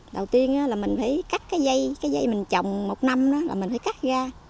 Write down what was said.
đầu tiên là mình phải cắt cái dây cái dây mình trồng một năm đó là mình phải cắt ga